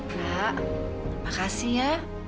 kak makasih ya